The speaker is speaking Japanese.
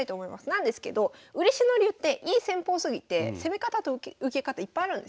なんですけど嬉野流っていい戦法すぎて攻め方と受け方いっぱいあるんですよ。